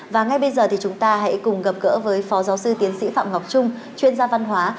và ngay bây giờ thì chúng ta hãy cùng gặp gỡ với phó giáo sư tiến sĩ phạm ngọc trung chuyên gia văn hóa